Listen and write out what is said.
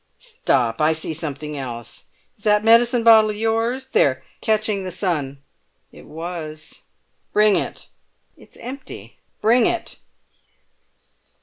"Stop! I see something else. Is that medicine bottle yours? There—catching the sun." "It was." "Bring it." "It's empty." "Bring it!"